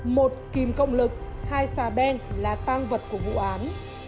một kìm cộng lực hai xà beng là tang vật của vụ án